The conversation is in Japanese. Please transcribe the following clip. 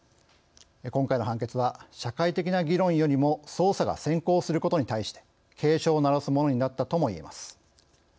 今回の判決は社会的な議論よりも捜査が先行することに対して警鐘を鳴らすものになったとも言えます。